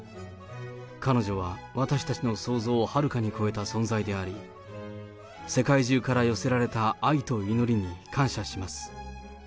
彼女は私たちの想像をはるかに超えた存在であり、世界中から寄せられた愛と祈りに感謝します。